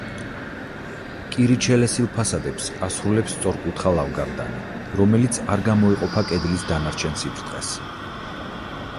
კირით შელესილ ფასადებს ასრულებს სწორკუთხა ლავგარდანი, რომელიც არ გამოეყოფა კედლის დანარჩენ სიბრტყეს.